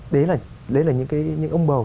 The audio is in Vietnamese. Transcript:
đấy là những ông bầu